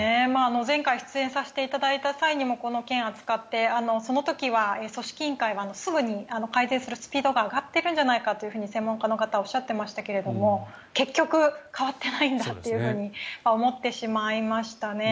前回出演させていただいた際にもこの件を扱ってその時は組織委員会がすぐに改善するスピードが上がっているんじゃないかと専門家の方はおっしゃっていましたが結局変わってないんだっていうふうに思ってしまいましたね。